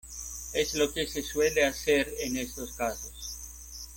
es lo que se suele hacer en estos casos.